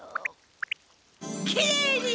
きれいに！